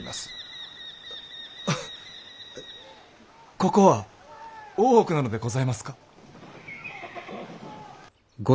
ここは大奥なのでございますか？